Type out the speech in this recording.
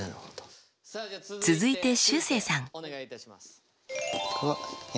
続いてしゅうせいさん。